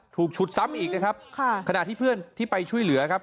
ฉุดซ้ำอีกนะครับค่ะขณะที่เพื่อนที่ไปช่วยเหลือครับ